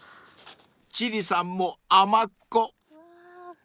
［千里さんも甘っこ］